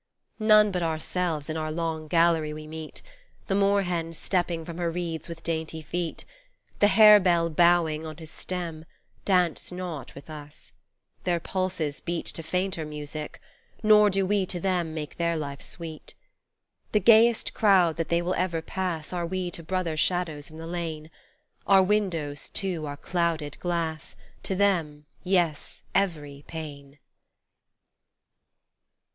None but ourselves in our long gallery we meet, The moor hen stepping from her reeds with dainty feet, The hare bell bowing on his stem, Dance not with us ; their pulses beat To fainter music ; nor do we to them Make their life sweet. The gayest crowd that they will ever pass Are we to brother shadows in the lane : Our windows, too, are clouded glass To them, yes, every pane